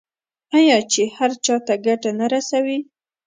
آیا چې هر چا ته ګټه نه رسوي؟